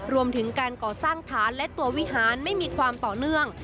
รวมถึงการก่อสร้างฐานและตัววิหารไม่มีความต่อเนื่อง